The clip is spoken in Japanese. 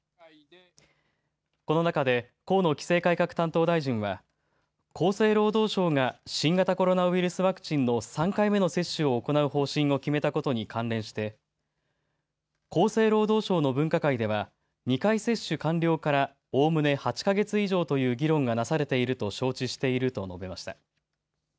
この中で河野規制改革担当大臣は厚生労働省が新型コロナウイルスワクチンの３回目の接種を行う方針を決めたことに関連して厚生労働省の分科会では２回接種完了から、おおむね８か月以上という議論がなされていると承知していると述べました。